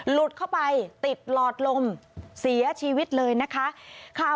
หลุดเข้าไปติดหลอดลมเสียชีวิตเลยนะคะ